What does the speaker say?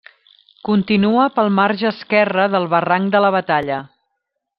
Continua pel marge esquerre del Barranc de la Batalla.